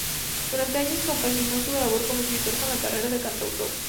Durante años compaginó su labor como escritor con la carrera de cantautor.